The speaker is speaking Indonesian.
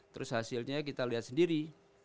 terus hasilnya kita lihat sendiri